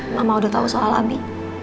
mama udah tahu soal abi